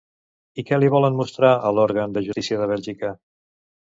I què li volen mostrar a l'òrgan de justícia de Bèlgica?